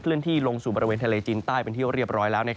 คลื่นที่ลงสู่บรางเวณไทยละย์จีนไต้เป็นที่พรีบร้อยแล้ว